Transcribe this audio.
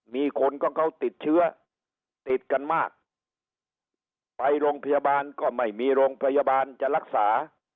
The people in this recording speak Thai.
มีคนของเขาติดเชื้อติดกันมากไปโรงพยาบาลก็ไม่มีโรงพยาบาลจะรักษา